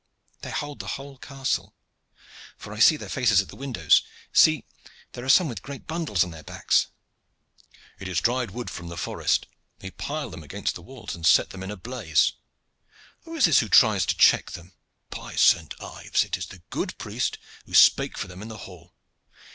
They hold the whole castle, for I see their faces at the windows. See, there are some with great bundles on their backs." "It is dried wood from the forest. They pile them against the walls and set them in a blaze. Who is this who tries to check them? By St. Ives! it is the good priest who spake for them in the hall.